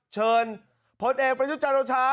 เชิญผลเอกประยุจรรยาชา